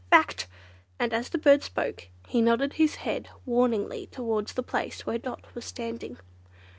Fact!" And as the bird spoke he nodded his head warningly towards the place where Dot was standing.